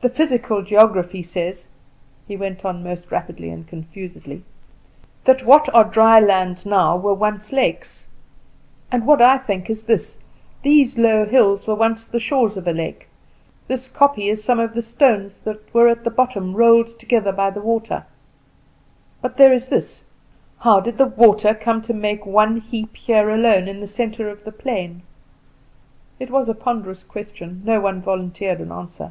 The 'Physical Geography' says," he went on most rapidly and confusedly, "that what were dry lands now were once lakes; and what I think is this these low hills were once the shores of a lake; this kopje is some of the stones that were at the bottom, rolled together by the water. But there is this How did the water come to make one heap here alone, in the centre of the plain?" It was a ponderous question; no one volunteered an answer.